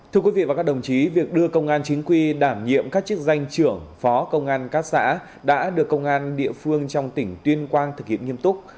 thưa quý vị và các đồng chí việc đưa công an chính quy đảm nhiệm các chức danh trưởng phó công an các xã đã được công an địa phương trong tỉnh tuyên quang thực hiện nghiêm túc